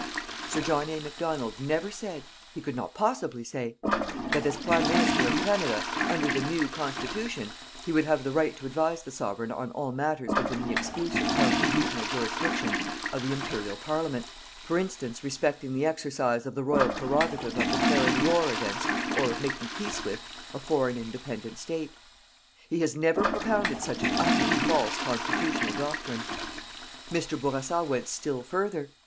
Sir John A. Macdonald never said he could not possibly say that as Prime Minister of Canada, under the new Constitution, he would have the right to advise the Sovereign on all matters within the exclusive constitutional jurisdiction of the Imperial Parliament, for instance respecting the exercise of the Royal prerogative of declaring war against, or of making peace with, a foreign independent State. He has never propounded such an utterly false constitutional doctrine. Mr. Bourassa went still further.